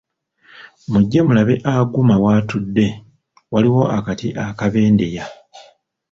Mujje mulabe Aguma w'atudde, waliwo akati akabendeya,